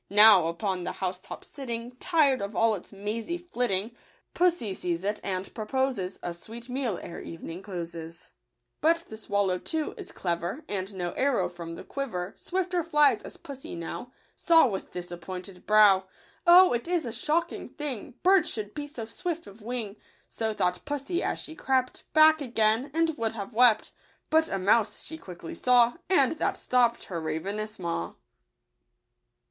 Now, upon the house top sitting, Tired of all its mazy flitting, Pussy sees it, and proposes A sweet meal ere evening closes. t\ SI IL uJla But the swallow, too, is clever; And no arrow from the quiver Swifter flies, as pussy now Saw with disappointed brow. Oh, it is a shocking thing Birds should be so swift of wing ! So thought pussy as she crept Back again ; and would have wept, But a mouse she quickly saw, And that stopped her ravenous maw.